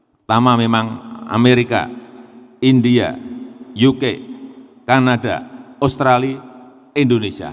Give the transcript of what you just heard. pertama memang amerika india uk kanada australia indonesia